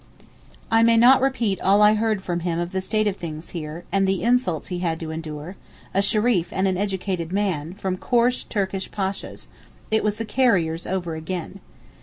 I may not repeat all I heard from him of the state of things here, and the insults he had to endure—a Shereef and an educated man—from coarse Turkish Pashas; it was the carriers over again.